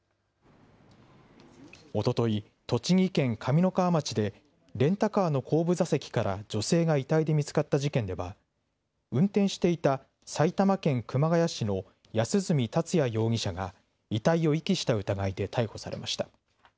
おととい、栃木県上三川町で、レンタカーの後部座席から女性が遺体で見つかった事件では、運転していた埼玉県熊谷市の安栖達也容疑者が遺体を遺棄した疑いで逮捕されました。